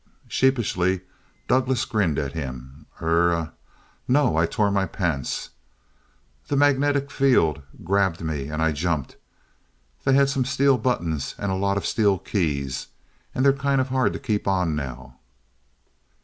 Sheepishly, Douglass grinned at him. "Eh er no but I tore my pants. The magnetic field grabbed me and I jumped. They had some steel buttons, and a lot of steel keys they're kinda' hard to keep on now."